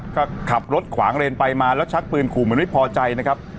ก็ขับรถขวางเรนไปมาแล้วชักปืนขู่เหมือนไม่พอใจนะครับ